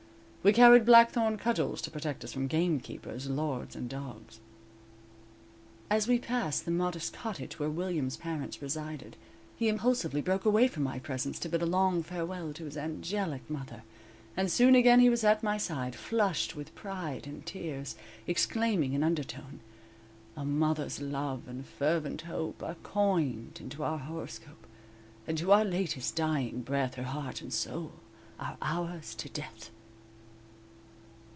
We carried blackthorn cudgels to protect us from gamekeepers, lords and dogs. As we passed the modest cottage where William's parents resided, he impulsively broke away from my presence to bid a long farewell to his angelic mother, and soon again he was at my side, flushed with pride and tears, exclaiming in undertone: _A mother's love and fervent hope Are coined into our horoscope, And to our latest dying breath Her heart and soul are ours to death!